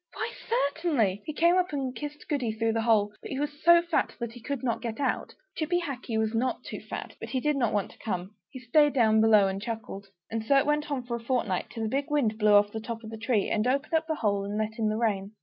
Why, certainly!" He came up and kissed Goody through the hole; but he was so fat that he could not get out. Chippy Hackee was not too fat, but he did not want to come; he stayed down below and chuckled. And so it went on for a fortnight; till a big wind blew off the top of the tree, and opened up the hole and let in the rain.